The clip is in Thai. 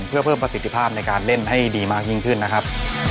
เพื่อเพิ่มประสิทธิภาพในการเล่นให้ดีมากยิ่งขึ้นนะครับ